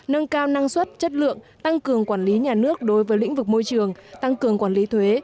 nâng cao năng suất chất lượng tăng cường quản lý nhà nước đối với lĩnh vực môi trường tăng cường quản lý thuế